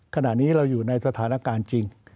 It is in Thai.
ขณะนี้เราอยู่ในสถานการณ์จริง